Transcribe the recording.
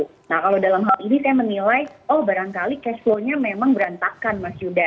nah kalau dalam hal ini saya menilai oh barangkali cash flow nya memang berantakan mas yuda